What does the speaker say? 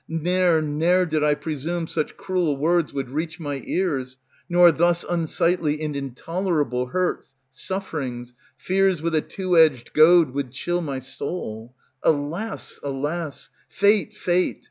Ne'er, ne'er did I presume such cruel words Would reach my ears, nor thus unsightly And intolerable hurts, sufferings, fears with a two edged Goad would chill my soul; Alas! alas! fate! fate!